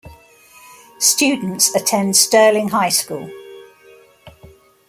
Students attend Sterling High School.